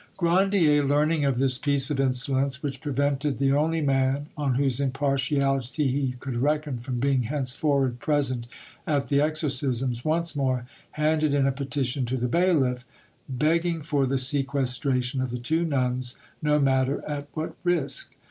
Grandier learning of this piece of insolence, which prevented the only man on whose impartiality he could reckon from being henceforward present at the exorcisms, once more handed in a petition to the bailiff, begging for the sequestration of the two nuns, no matter at what risk.